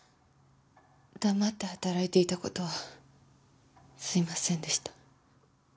黙って働いていたことはすいませんでした。